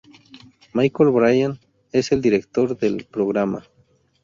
Michael Bryan es el director del programa.